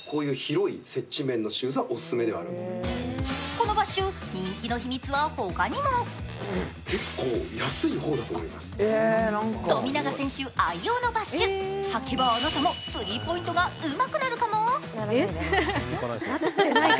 このバッシュ、人気の秘密は他にも富永選手愛用のバッシュ、履けばあなたもスリーポイントがうまくなるかも。